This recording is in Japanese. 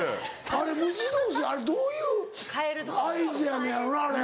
あれ虫同士どういう合図やのやろなあれ。